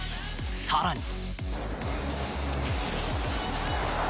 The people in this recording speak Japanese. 更に。